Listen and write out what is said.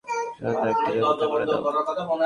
তাদের দেবতাদের মত আমাদের জন্যেও একটি দেবতা গড়ে দাও।